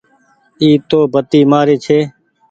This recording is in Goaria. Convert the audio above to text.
اي تو بتي مآري ڇي۔